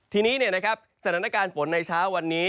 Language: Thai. ทีนี้สถานการณ์ฝนในเช้าวันนี้